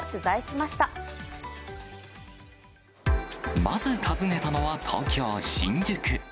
まず訪ねたのは、東京・新宿。